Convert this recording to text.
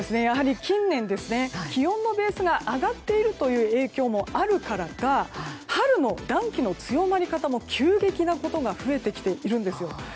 やはり近年気温のベースが上がっているという影響もあるからか春の暖気の強まり方も急激なことが増えてきているんです。